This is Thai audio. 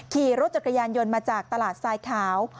ขี่รถจักรยานยนต์มาจากตลาดทรายขาว